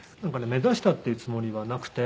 目指したっていうつもりはなくて。